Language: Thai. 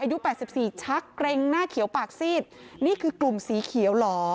แปดสิบสี่ชักเกร็งหน้าเขียวปากซีดนี่คือกลุ่มสีเขียวเหรอ